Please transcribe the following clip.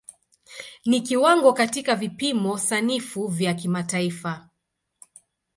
Ni kiwango katika vipimo sanifu vya kimataifa.